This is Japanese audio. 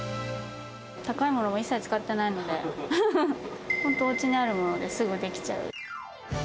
高いものを一切使っていないので、本当、おうちにあるものですぐ出来ちゃう。